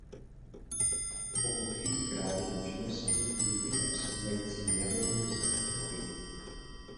Pokud chybí kreativní činnosti, děti a dospívající nemají dostatek pohybu.